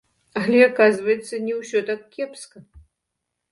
Але, аказваецца, не ўсё так кепска.